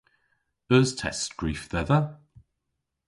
Eus testskrif dhedha?